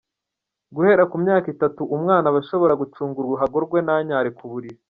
Guhera ku myaka itatu umwana aba ashobora gucunga uruhago rwe, ntanyare ku buriri.